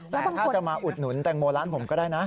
แต่ถ้าจะมาอุดหนุนแตงโมร้านผมก็ได้นะ